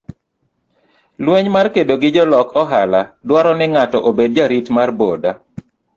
Lweny mar kedo gi jolok ohala dwaro ni ng'ato obed jarit mar boda.